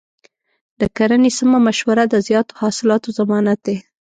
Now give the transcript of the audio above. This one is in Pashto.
د کرنې سمه مشوره د زیاتو حاصلاتو ضمانت دی.